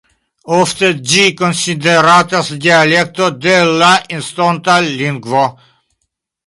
Ofte ĝi konsideratas dialekto de la estona lingvo.